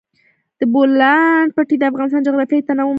د بولان پټي د افغانستان د جغرافیوي تنوع مثال دی.